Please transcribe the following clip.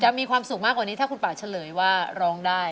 มีความสุขมากกว่านี้ถ้าคุณป่าเฉลยว่าร้องได้